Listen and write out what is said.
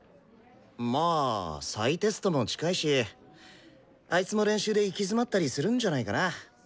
まあ再テストも近いしあいつも練習で行き詰まったりするんじゃないかな？